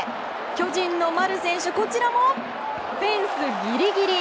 巨人の丸選手、こちらもフェンスぎりぎり。